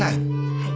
はい。